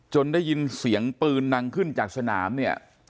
ได้ยินเสียงปืนดังขึ้นจากสนามเนี่ย